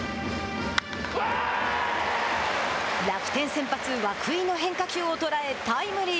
楽天先発涌井の変化球を捉えタイムリー。